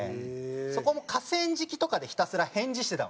そこも河川敷とかでひたすら返事してたもんね。